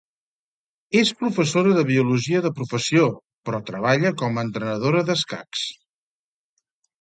És professora de biologia de professió, però treballa com a entrenadora d'escacs.